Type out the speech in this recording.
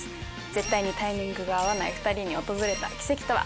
絶対にタイミングが合わない２人に訪れた奇跡とは？